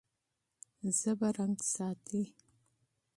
ژبه رنګ ساتي.